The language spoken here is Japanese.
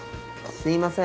すみません。